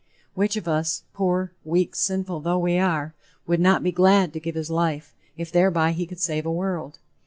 Which of us, poor, weak, sinful though we are, would not be glad to give his life, if thereby he could save a world?